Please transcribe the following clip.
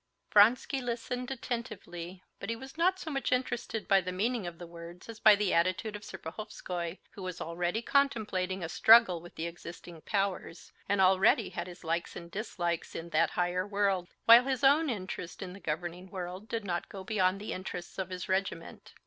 Vronsky listened attentively, but he was not so much interested by the meaning of the words as by the attitude of Serpuhovskoy who was already contemplating a struggle with the existing powers, and already had his likes and dislikes in that higher world, while his own interest in the governing world did not go beyond the interests of his regiment.